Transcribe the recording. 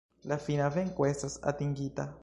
La fina venko estas atingita!!